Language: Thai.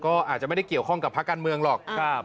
ก็อาจจะไม่ได้เกี่ยวข้องกับภาคการเมืองหรอก